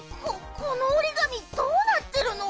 ここのおりがみどうなってるの？